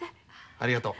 ありがとう。